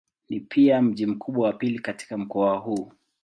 Ni pia mji mkubwa wa pili katika mkoa huu.